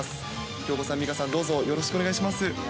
恭子さん、美香さん、どうぞよろしくお願いします。